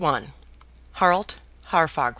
HARALD HAARFAGR.